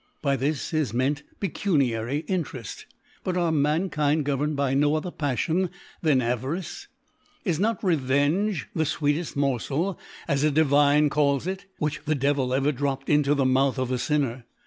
By this is meant pecuniary Intercft \ but are Mankind governed by no other Paflion thaa Avarice ? Is not Revenae the fweeteft Morfel, as a Divine calls ic, which the De vil ever dropped into the Mouth of a Sin ner